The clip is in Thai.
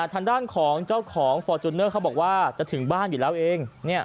ทางด้านของเจ้าของฟอร์จูเนอร์เขาบอกว่าจะถึงบ้านอยู่แล้วเอง